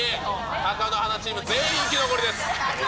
貴乃花チーム、全員生き残りです。